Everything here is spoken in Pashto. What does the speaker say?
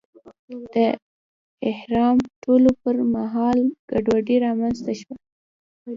د احرام تړلو پر مهال ګډوډي رامنځته شوه.